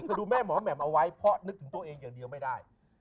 คือดูแม่หมอแหม่มเอาไว้เพราะนึกถึงตัวเองอย่างเดียวไม่ได้